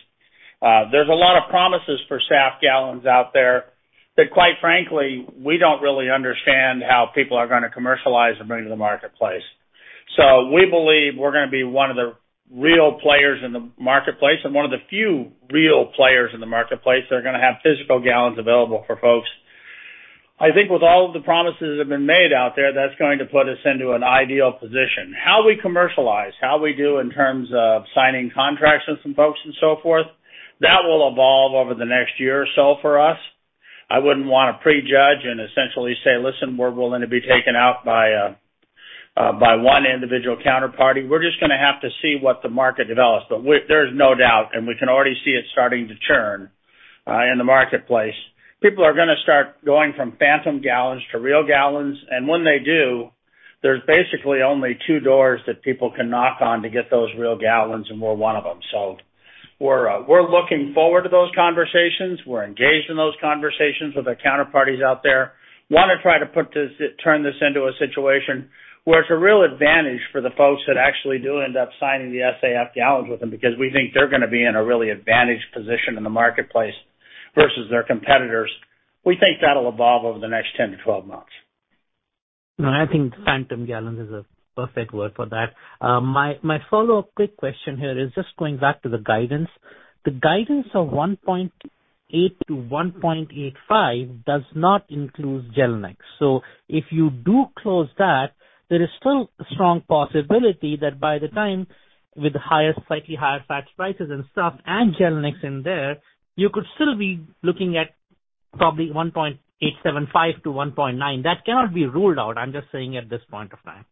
there's a lot of promises for SAF gallons out there that quite frankly, we don't really understand how people are gonna commercialize and bring to the marketplace. We believe we're gonna be one of the real players in the marketplace and one of the few real players in the marketplace that are gonna have physical gallons available for folks. I think with all of the promises that have been made out there, that's going to put us into an ideal position. How we commercialize, how we do in terms of signing contracts with some folks and so forth, that will evolve over the next year or so for us. I wouldn't wanna prejudge and essentially say, "Listen, we're willing to be taken out by one individual counterparty." We're just gonna have to see what the market develops. there's no doubt, and we can already see it starting to churn in the marketplace. People are gonna start going from phantom gallons to real gallons. When they do, there's basically only two doors that people can knock on to get those real gallons, and we're one of them. We're looking forward to those conversations. We're engaged in those conversations with our counterparties out there. Wanna try to turn this into a situation where it's a real advantage for the folks that actually do end up signing the SAF gallons with them because we think they're gonna be in a really advantaged position in the marketplace versus their competitors. We think that'll evolve over the next 10 to 12 months. No, I think phantom gallons is a perfect word for that. My follow-up quick question here is just going back to the guidance. The guidance of $1.8 billion-$1.85 billion does not include Gelnex. If you do close that, there is still a strong possibility that by the time with higher, slightly higher fat prices and stuff and Gelnex in there, you could still be looking at probably $1.875 billion-$1.9 billion. That cannot be ruled out. I'm just saying at this point of time.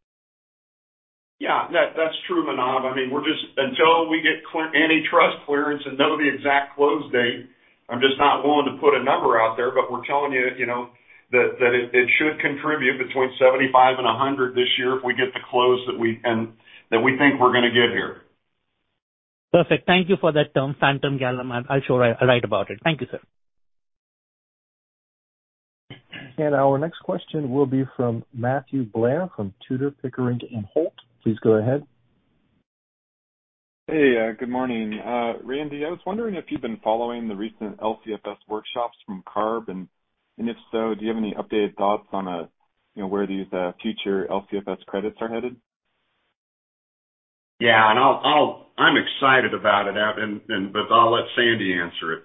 Yeah, that's true, Manav. I mean, until we get antitrust clearance and know the exact close date, I'm just not willing to put a number out there. We're telling you know, that it should contribute between $75 million and $100 million this year if we get the close that we think we're gonna get here. Perfect. Thank you for that term, phantom gallon. I'll sure write about it. Thank you, sir. Our next question will be from Matthew Blair from Tudor, Pickering, and Holt. Please go ahead. Hey, good morning. Randy, I was wondering if you've been following the recent LCFS workshops from CARB, and if so, do you have any updated thoughts on, you know, where these, future LCFS credits are headed? Yeah. I'm excited about it, and, but I'll let Sandy answer it.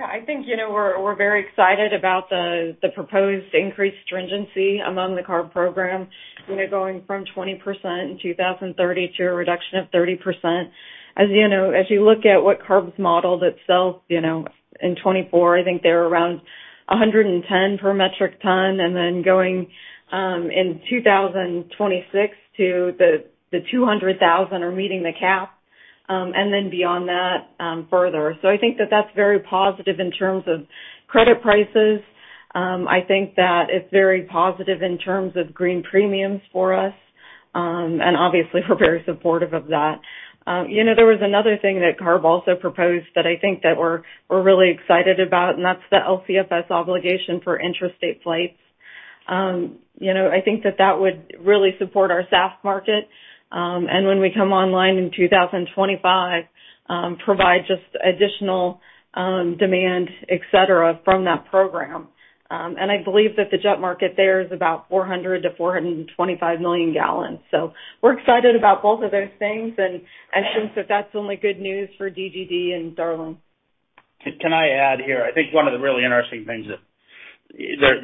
Yeah. I think, you know, we're very excited about the proposed increased stringency among the CARB program. You know, going from 20% in 2030 to a reduction of 30%. As you know, as you look at what CARB's modeled itself, you know, in 2024, I think they were around 110 per metric ton. Going in 2026 to the 200,000 or meeting the cap, and then beyond that, further. I think that that's very positive in terms of credit prices. I think that it's very positive in terms of green premiums for us. And obviously, we're very supportive of that. There was another thing that CARB also proposed that we're really excited about, and that's the LCFS obligation for interstate flights. That would really support our SAF market, and when we come online in 2025, provide just additional demand, et cetera, from that program. The jet market there is about 400-425 million gallons. We're excited about both of those things, and that's only good news for DGD and Darling. Can I add here? I think one of the really interesting things that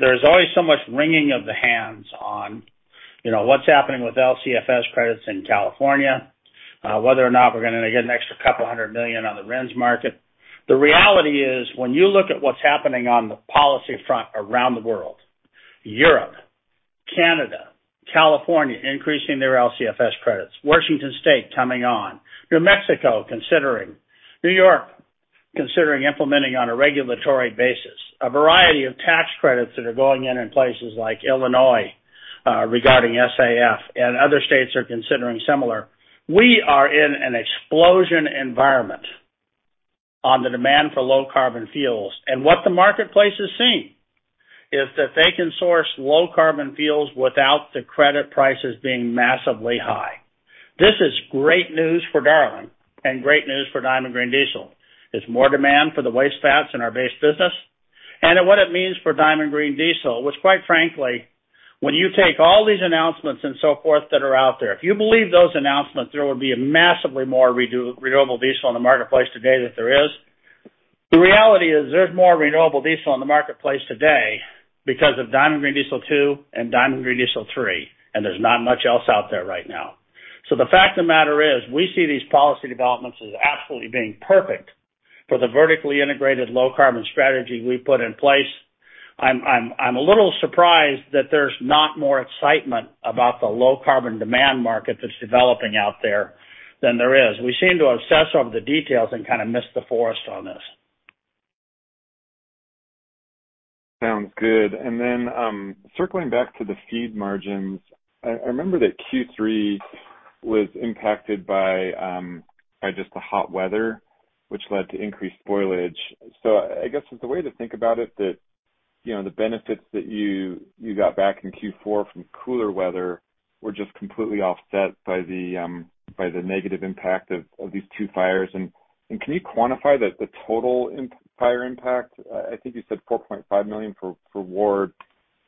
there's always so much wringing of the hands on, you know, what's happening with LCFS credits in California, whether or not we're gonna get an extra couple hundred million on the RINS market. The reality is, when you look at what's happening on the policy front around the world, Europe, Canada, California increasing their LCFS credits, Washington State coming on, New Mexico considering, New York considering implementing on a regulatory basis, a variety of tax credits that are going in places like Illinois, regarding SAF and other states are considering similar. We are in an explosion environment on the demand for low carbon fuels. What the marketplace is seeing is that they can source low carbon fuels without the credit prices being massively high. This is great news for Darling and great news for Diamond Green Diesel. It's more demand for the waste fats in our base business and what it means for Diamond Green Diesel, which quite frankly, when you take all these announcements and so forth that are out there, if you believe those announcements, there would be a massively more renewable diesel in the marketplace today than there is. The reality is there's more renewable diesel in the marketplace today because of Diamond Green Diesel 2 and Diamond Green Diesel 3, and there's not much else out there right now. The fact of the matter is we see these policy developments as absolutely being perfect for the vertically integrated low carbon strategy we put in place. I'm a little surprised that there's not more excitement about the low carbon demand market that's developing out there than there is. We seem to obsess over the details and kinda miss the forest on this. Sounds good. Circling back to the feed margins, I remember that Q3 was impacted by just the hot weather, which led to increased spoilage. I guess it's a way to think about it that, you know, the benefits that you got back in Q4 from cooler weather were just completely offset by the negative impact of these two fires. Can you quantify the total fire impact? I think you said $4.5 million for Ward.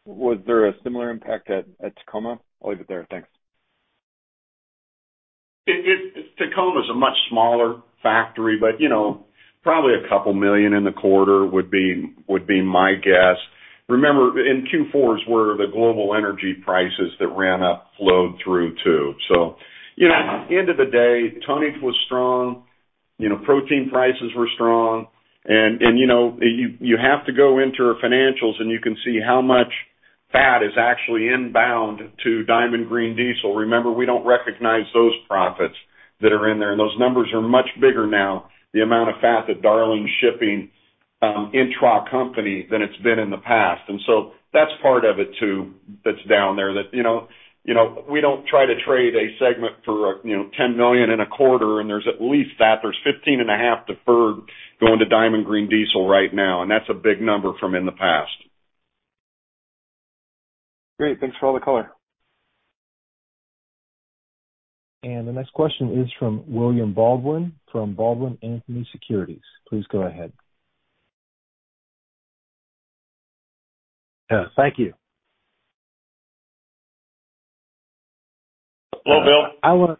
Was there a similar impact at Tacoma? I'll leave it there. Thanks. Tacoma is a much smaller factory, you know, probably a couple million in the quarter would be my guess. Remember, in Q4 is where the global energy prices that ran up flowed through too. You know, at the end of the day, tonnage was strong, you know, protein prices were strong. You know, you have to go into our financials, and you can see how much fat is actually inbound to Diamond Green Diesel. Remember, we don't recognize those profits that are in there, and those numbers are much bigger now, the amount of fat that Darling's shipping intra-company than it's been in the past. That's part of it too, that's down there that, you know, we don't try to trade a segment for, you know, $10 million in a quarter and there's at least that. There's 15.5 deferred going to Diamond Green Diesel right now, and that's a big number from in the past. Great. Thanks for all the color. The next question is from William Baldwin from Baldwin Anthony Securities. Please go ahead. Thank you. Hello, Bill.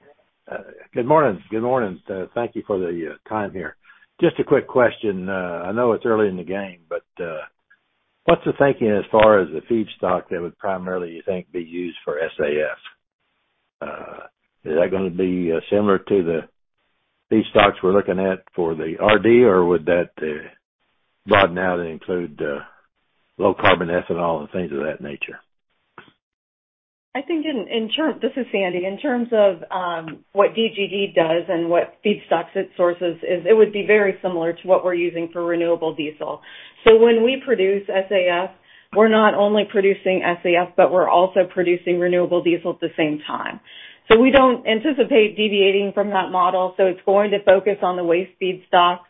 Good morning. Good morning. Thank you for the time here. Just a quick question. I know it's early in the game, but what's the thinking as far as the feedstock that would primarily you think be used for SAF? Is that gonna be similar to the feedstocks we're looking at for the RD or would that broaden out and include low carbon ethanol and things of that nature? I think. This is Sandy. In terms of what DGD does and what feedstocks it sources is it would be very similar to what we're using for renewable diesel. When we produce SAF, we're not only producing SAF, but we're also producing renewable diesel at the same time. We don't anticipate deviating from that model, it's going to focus on the waste feedstocks.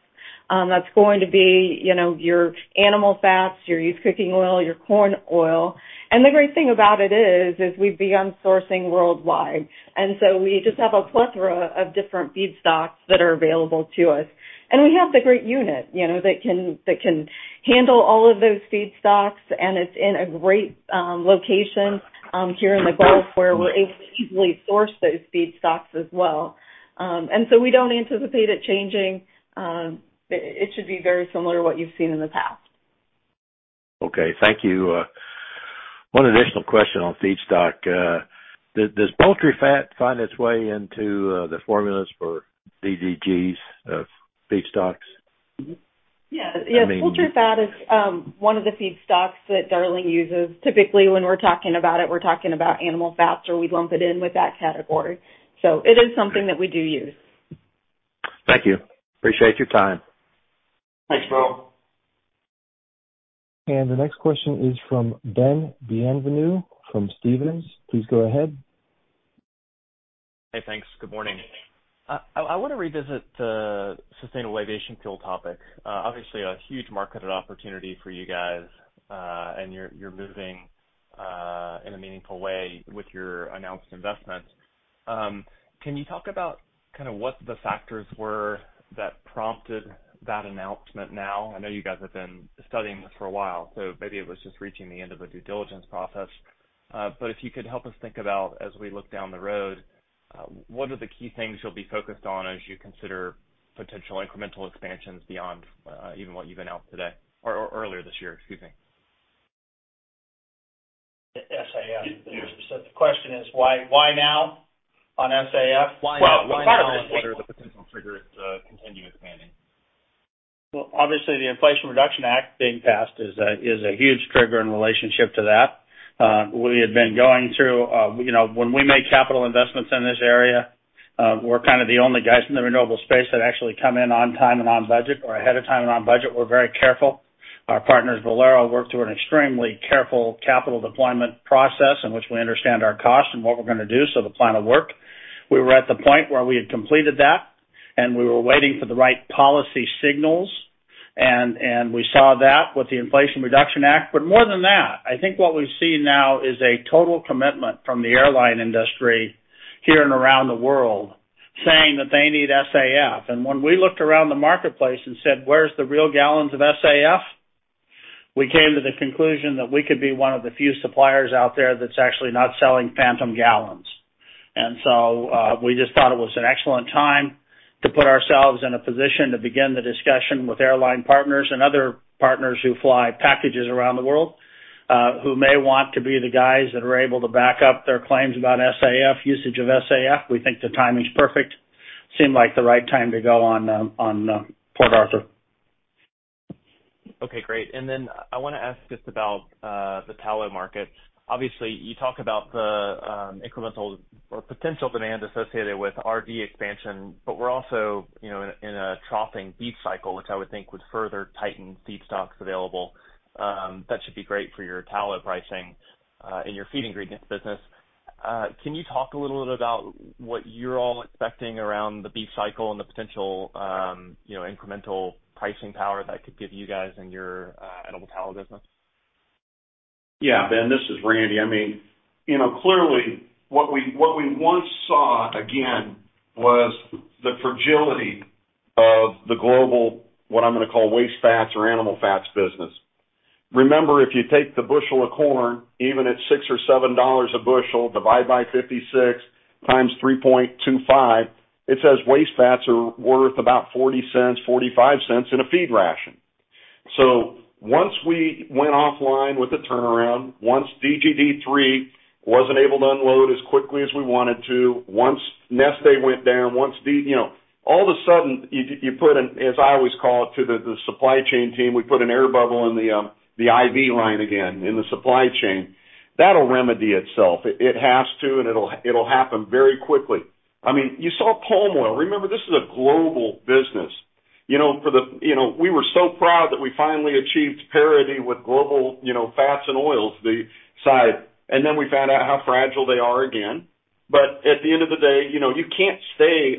That's going to be, you know, your animal fats, your used cooking oil, your corn oil. The great thing about it is we begun sourcing worldwide. We just have a plethora of different feedstocks that are available to us. We have the great unit, you know, that can handle all of those feedstocks, and it's in a great location here in the Gulf where we're able to easily source those feedstocks as well. We don't anticipate it changing. It should be very similar to what you've seen in the past. Okay. Thank you. One additional question on feedstock. Does poultry fat find its way into the formulas for DDGs of feedstocks? Yeah. I mean. Yeah. Poultry fat is one of the feedstocks that Darling uses. Typically, when we're talking about it, we're talking about animal fats or we lump it in with that category. It is something that we do use. Thank you. Appreciate your time. Thanks, Bill. The next question is from Ben Bienvenu from Stephens. Please go ahead. Hey, thanks. Good morning. I wanna revisit the sustainable aviation fuel topic. obviously a huge marketed opportunity for you guys, and you're moving in a meaningful way with your announced investments. Can you talk about kinda what the factors were that prompted that announcement now? I know you guys have been studying this for a while, so maybe it was just reaching the end of a due diligence process. if you could help us think about as we look down the road, what are the key things you'll be focused on as you consider potential incremental expansions beyond even what you've announced today or earlier this year, excuse me. SAF. The question is why now on SAF? Why now and what are the potential triggers to continue expanding? Well, obviously the Inflation Reduction Act being passed is a huge trigger in relationship to that. We had been going through, you know, when we make capital investments in this area, we're kind of the only guys in the renewable space that actually come in on time and on budget or ahead of time and on budget. We're very careful. Our partners, Valero, work through an extremely careful capital deployment process in which we understand our costs and what we're gonna do, so the plan will work. We were at the point where we had completed that, and we were waiting for the right policy signals and we saw that with the Inflation Reduction Act. More than that, I think what we see now is a total commitment from the airline industry here and around the world saying that they need SAF. When we looked around the marketplace and said, "Where's the real gallons of SAF?" We came to the conclusion that we could be one of the few suppliers out there that's actually not selling phantom gallons. We just thought it was an excellent time to put ourselves in a position to begin the discussion with airline partners and other partners who fly packages around the world, who may want to be the guys that are able to back up their claims about SAF, usage of SAF. We think the timing's perfect. Seemed like the right time to go on Port Arthur. Okay, great. I wanna ask just about the tallow market. Obviously, you talk about the incremental or potential demand associated with RD expansion, we're also, you know, in a troughing beef cycle, which I would think would further tighten feedstocks available. That should be great for your tallow pricing, and your feed ingredients business. Can you talk a little bit about what you're all expecting around the beef cycle and the potential, you know, incremental pricing power that could give you guys in your animal tallow business? Yeah. Ben, this is Randy. I mean, you know, clearly what we once saw again was the fragility of the global, what I'm gonna call waste fats or animal fats business. Remember, if you take the bushel of corn, even at $6 or $7 a bushel, divide by 56 times 3.25, it says waste fats are worth about $0.40, $0.45 in a feed ration. Once we went offline with the turnaround, once DGD three wasn't able to unload as quickly as we wanted to, once Neste went down, You know, all of a sudden you put an, as I always call it to the supply chain team, we put an air bubble in the IV line again in the supply chain. That'll remedy itself. It has to, it'll happen very quickly. I mean, you saw palm oil. Remember, this is a global business. You know, we were so proud that we finally achieved parity with global, you know, fats and oils, the side, and then we found out how fragile they are again. At the end of the day, you know, you can't stay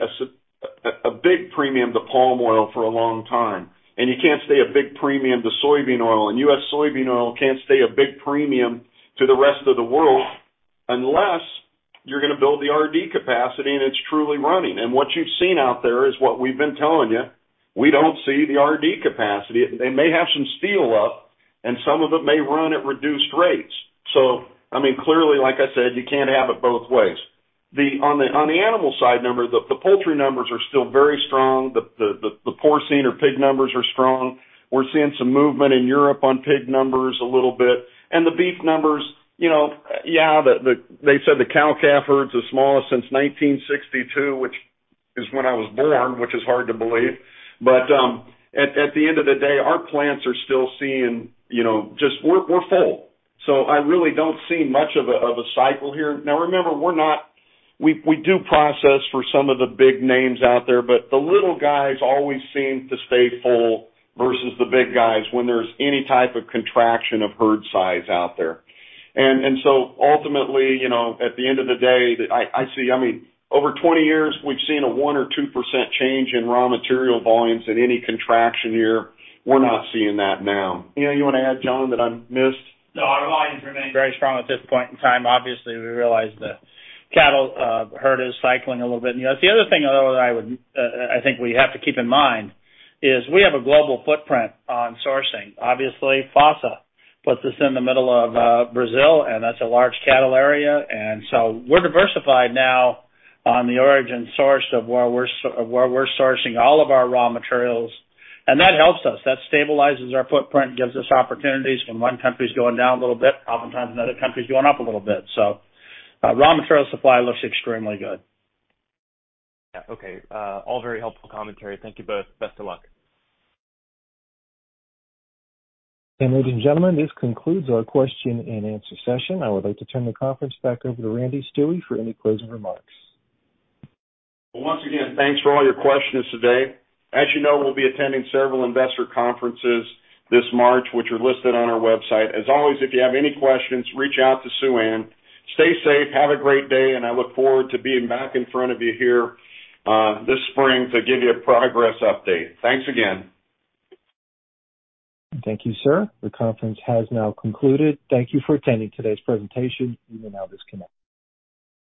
a big premium to palm oil for a long time, and you can't stay a big premium to soybean oil, and U.S. soybean oil can't stay a big premium to the rest of the world unless you're gonna build the RD capacity and it's truly running. What you've seen out there is what we've been telling you. We don't see the RD capacity. They may have some steel up and some of it may run at reduced rates. I mean, clearly, like I said, you can't have it both ways. On the animal side number, the poultry numbers are still very strong. The porcine or pig numbers are strong. We're seeing some movement in Europe on pig numbers a little bit. The beef numbers, you know. They said the cow-calf herd's the smallest since 1962, which is when I was born, which is hard to believe. At the end of the day, our plants are still seeing, you know, we're full. I really don't see much of a cycle here. Now remember, we do process for some of the big names out there, but the little guys always seem to stay full versus the big guys when there's any type of contraction of herd size out there. Ultimately, you know, at the end of the day, I mean, over 20 years, we've seen a 1% or 2% change in raw material volumes in any contraction year. We're not seeing that now. You know, you wanna add John that I missed? No, our volumes remain very strong at this point in time. Obviously, we realize the cattle herd is cycling a little bit. That's the other thing though that I would, I think we have to keep in mind is we have a global footprint on sourcing. Obviously, FASA puts us in the middle of Brazil, and that's a large cattle area. We're diversified now on the origin source of where we're sourcing all of our raw materials, and that helps us. That stabilizes our footprint, gives us opportunities when one country is going down a little bit, oftentimes another country is going up a little bit. Raw material supply looks extremely good. Yeah. Okay. All very helpful commentary. Thank you both. Best of luck. Ladies and gentlemen, this concludes our question and answer session. I would like to turn the conference back over to Randall Stuewe for any closing remarks. Once again, thanks for all your questions today. As you know, we'll be attending several investor conferences this March, which are listed on our website. As always, if you have any questions, reach out to Suann. Stay safe, have a great day, and I look forward to being back in front of you here, this spring to give you a progress update. Thanks again. Thank you, sir. The conference has now concluded. Thank you for attending today's presentation. You may now disconnect.